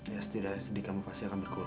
ya setidaknya kamu pasti akan berkurang